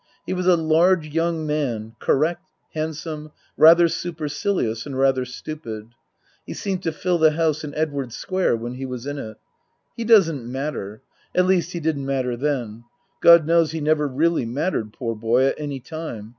He was a large young man, correct, handsome, rather supercilious and rather stupid. He seemed to fill the house in Edwardes Square when he was in it. He doesn't matter. At least, he didn't matter then. God knows he never really mattered, poor boy, at any time.